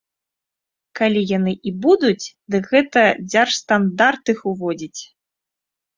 Калі яны і будуць, дык гэта дзяржстандарт іх уводзіць.